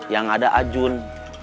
yang ada ajun